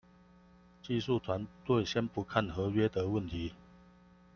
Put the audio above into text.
技術團隊先不看合約的問題